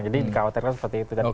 jadi dikhawatirkan seperti itu